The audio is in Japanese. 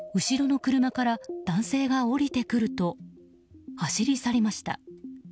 後ろの車から男性が降りてくると走り去りました。